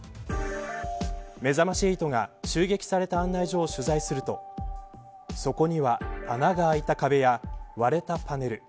めざまし８が襲撃された案内所を取材するとそこには、穴があいた壁や割れたパネル。